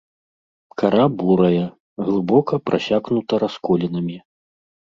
Кара бурая, глыбока прасякнута расколінамі.